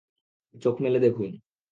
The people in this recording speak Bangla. চোখ মেলে দেখুন!